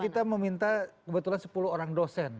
kita meminta kebetulan sepuluh orang dosen